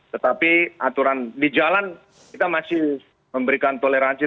tetapi aturan di jalan kita masih memberikan toleransi